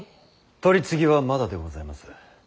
取り次ぎはまだでございます。